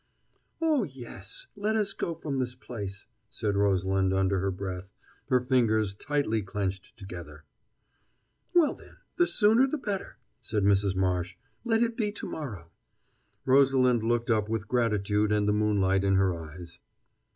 "Oh, yes! Let us go from this place!" said Rosalind under her breath, her fingers tightly clenched together. "Well, then, the sooner the better," said Mrs. Marsh. "Let it be to morrow." Rosalind looked up with gratitude and the moonlight in her eyes.